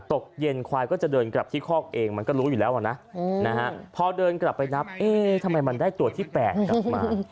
ตกเย็นควายก็จะเดินกลับที่คอกเองมันก็รู้อยู่แล้วนะพอเดินกลับไปนับเอ๊ะทำไมมันได้ตัวที่๘กลับมา